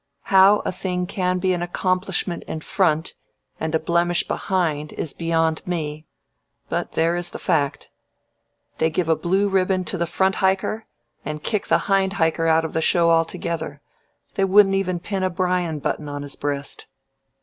How a thing can be an accomplishment in front and a blemish behind is beyond me, but there is the fact. They give a blue ribbon to the front hiker and kick the hind hiker out of the show altogether they wouldn't even pin a Bryan button on his breast."